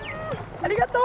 ありがとう！